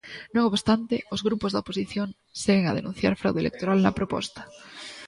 Non obstante, os grupos da oposición, seguen a denunciar fraude electoral na proposta.